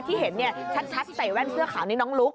ที่เห็นชัดใส่แว่นเสื้อขาวนี่น้องลุ๊ก